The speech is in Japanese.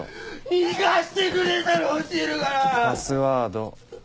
逃がしてくれたら教えるから‼パスワード。